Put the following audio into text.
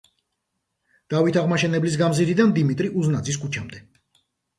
დავით აღმაშენებლის გამზირიდან დიმიტრი უზნაძის ქუჩამდე.